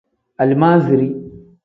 Alimaaziri.